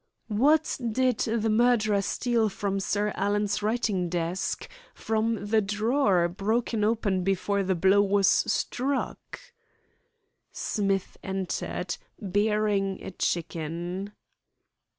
"What did the murderer steal from Sir Alan's writing desk, from the drawer broken open before the blow was struck?" Smith entered, bearing a chicken.